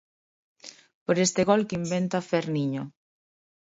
Por este gol que inventa Fer Niño.